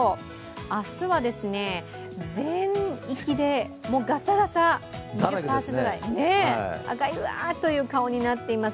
明日は全域でガサガサ、２０％くらい、赤い、うわっという顔になっています。